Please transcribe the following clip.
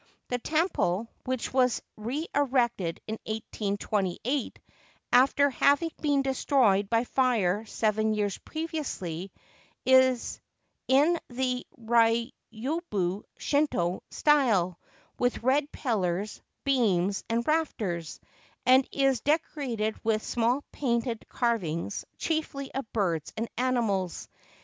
The temple, which was re erected in 1828, after having been destroyed by fire seven years previously, is in the Ryobu Shinto style, with red pillars, beams, and rafters, and is decorated with small painted carvings, chiefly of birds and animals.